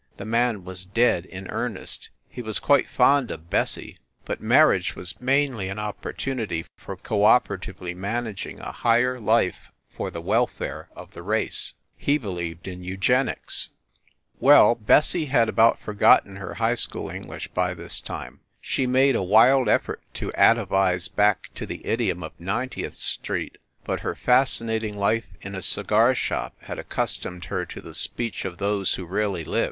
The man was dead in earnest he was quite fond of Bessie, but marriage was mainly an opportunity for co operatively managing a higher life for the welfare of the race. He believed in eugenics. 112 FIND THE WOMAN .Well, Bessie had about forgotten her high school English by this time. She made a wild effort to atavize back to the idiom of Ninetieth Street, but her fascinating life in a cigar shop had accustomed her to the speech of those who really live.